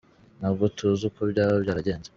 Nta bwo tuzi uko byaba byaragenze nyuma.